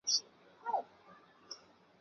诺福克南方铁路是美国的。